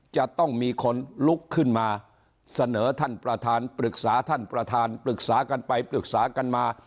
จะต้องมีคนลุกขึ้นมาเสนอท่านประธานปรึกษาท่านประธานปรึกษากันไปปรึกษากันมา